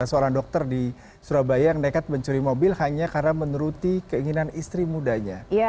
seorang dokter di surabaya yang nekat mencuri mobil hanya karena menuruti keinginan istri mudanya